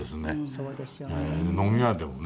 そうですよね。